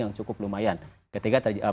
yang cukup lumayan ketika